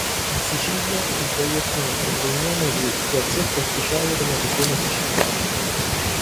In Sicilia il bollettino prende il nome di "Gazzetta Ufficiale della Regione Siciliana".